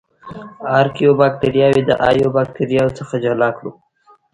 ارکیو باکتریاوې د ایو باکتریاوو څخه جلا کړو.